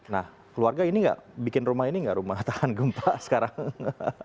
nah keluarga ini nggak bikin rumah ini nggak rumah tahan gempa sekarang